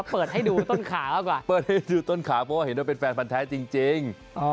เพราะเปิดให้ดูต้นขาเพราะเห็นว่าเป็นแฟนฟันท้ายจริง